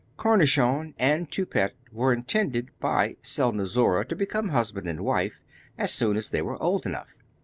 Cornichon and Toupette were intended by Selnozoura to become husband and wife, as soon as they were old enough.